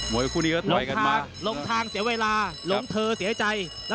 โมยคู่นี้ก็ไทยกันมา